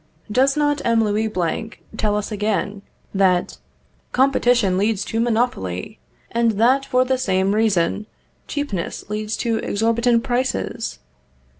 Does not M. Louis Blanc tell us again, that _competition leads to monopoly, and that, for the same reason, cheapness leads to exorbitant prices?